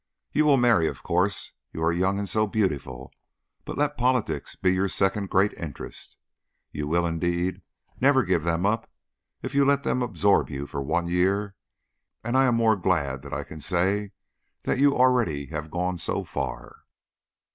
You will marry, of course; you are young and so beautiful; but let politics be your second great interest. You will, indeed, never give them up if you let them absorb you for one year, and I am more glad than I can say that you already have gone so far."